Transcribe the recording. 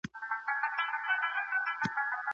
ډيپلوماتيکي کتنې د اړیکو د ښه والي لپاره مهمي دي.